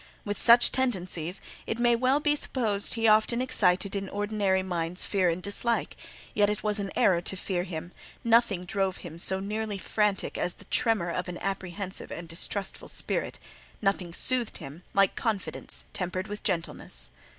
With such tendencies, it may well be supposed he often excited in ordinary minds fear and dislike; yet it was an error to fear him: nothing drove him so nearly frantic as the tremor of an apprehensive and distrustful spirit; nothing soothed him like confidence tempered with gentleness.